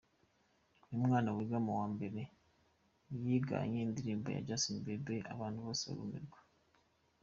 Uyu mwana wiga mu wa mbere, yiganye indirimbo ya Justin Bieber, abantu bose barumirwa.